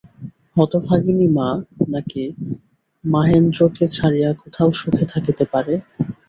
হতভাগিনী মা নাকি মহেন্দ্রকে ছাড়িয়া কোথাও সুখে থাকিতে পারে।